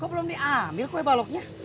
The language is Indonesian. belum diambil kue baloknya